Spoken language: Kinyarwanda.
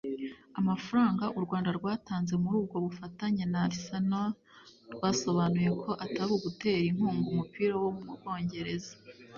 Amfaranga u Rwanda rwatanze muri ubwo bufatanye na Arsenal rwasobanuye ko atari ugutera inkunga umupira wo mu Bwongereza